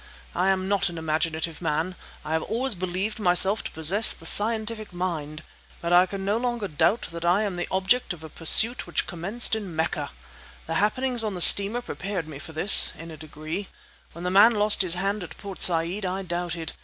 I am not an imaginative man: I had always believed myself to possess the scientific mind; but I can no longer doubt that I am the object of a pursuit which commenced in Mecca! The happenings on the steamer prepared me for this, in a degree. When the man lost his hand at Port Said I doubted.